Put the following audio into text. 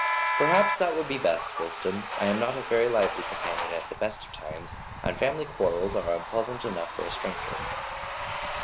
"Perhaps that would be best, Gulston. I am not a very lively companion at the best of times, and family quarrels are unpleasant enough for a stranger."